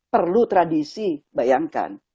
perlu tradisi bayangkan